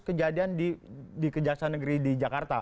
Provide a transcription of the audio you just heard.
kejadian di kejaksaan negeri di jakarta